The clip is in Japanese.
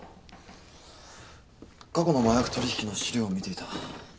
過去の麻薬取引の資料を見ていた。